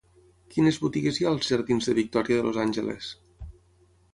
Quines botigues hi ha als jardins de Victoria de los Ángeles?